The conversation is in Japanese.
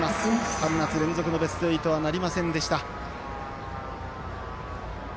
春夏連続のベスト８はなりませんでした。